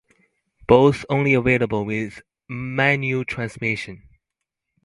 Both only available with manual transmission.